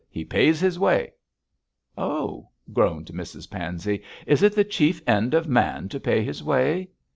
He pays his way.' 'Oh,' groaned Mrs Pansey, 'is it the chief end of man to pay his way?'